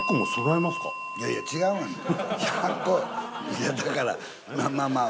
いやだからまあまあ。